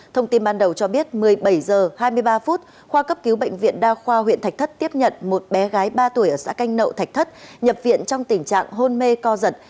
thông tin ban đầu cho biết một mươi bảy h hai mươi ba phút khoa cấp cứu bệnh viện đa khoa huyện thạch thất tiếp nhận một bé gái ba tuổi ở xã canh nậu thạch thất nhập viện trong tình trạng hôn mê co giật